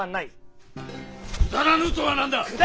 「くだらぬ」とは何だ！